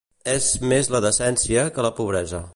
És més la decència que la pobresa.